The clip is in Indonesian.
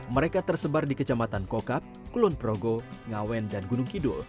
mereka tersebar di kecamatan kokak kulon progo ngawen dan gunung kidul